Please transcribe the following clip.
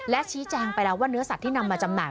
และชี้แจงไปแล้วว่าเนื้อสัตว์ที่นำมาจำหน่า